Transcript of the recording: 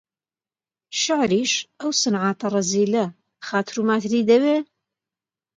شیعریش، ئەو سنعاتە ڕەزیلە خاتر و ماتری دەوێ؟